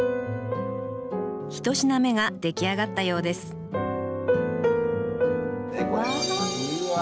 一品目が出来上がったようですうわ！